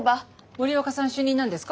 森若さん主任なんですか？